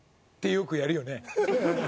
よくやるよね？